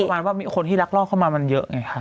ประมาณว่ามีคนที่รักรอบเข้ามามันเยอะไงค่ะ